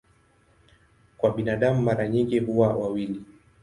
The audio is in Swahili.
Kwa binadamu mara nyingi huwa wawili.